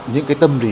những cái tâm niệm